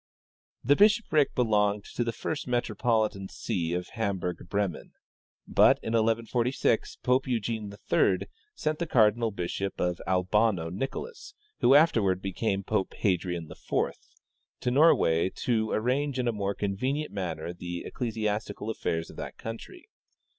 " The bishopric belonged first to the metropolitan see of Ham burg Bremen ; but in 1146 Pope Eugene III sent the cardinal bishop of Albano, Nicolas, who afterward became Pope Hadrian IV, to Norway to arrange in a more convenient manner the ecclesiastical affairs of that country.